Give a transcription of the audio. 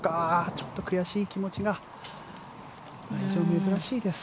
ちょっと悔しい気持ちが珍しいです。